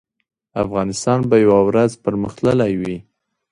افغانستان به یو ورځ پرمختللی وي